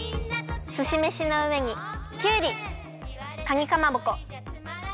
すしめしのうえにきゅうりかにかまぼこツナマヨ